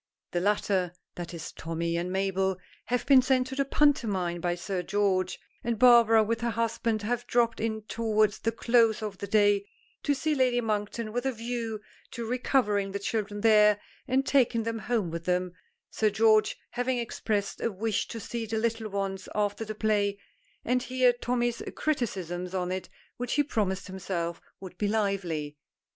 The latter (that is, Tommy and Mabel) have been sent to the pantomime by Sir George, and Barbara with her husband have dropped in towards the close of the day to see Lady Monkton, with a view to recovering the children there, and taking them home with them, Sir George having expressed a wish to see the little ones after the play, and hear Tommy's criticisms on it, which he promised himself would be lively.